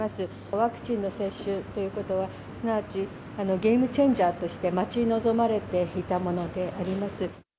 ワクチンの接種ということは、すなわちゲームチェンジャーとして待ち望まれていたものでありま